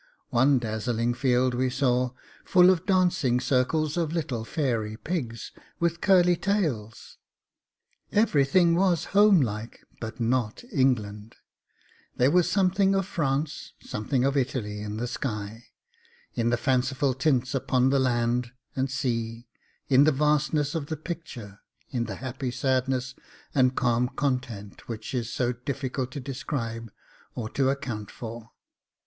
One dazzling field we saw full of dancing circles of little fairy pigs with curly tails. Everything was homelike but NOT England, there was something of France, something of Italy in the sky; in the fanciful tints upon the land and sea, in the vastness of the picture, in the happy sadness and calm content which is so difficult to describe or to account for.